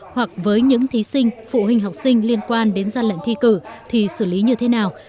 hoặc với những thí sinh phụ huynh học sinh liên quan đến gian lận thi cử thì xử lý như thế nào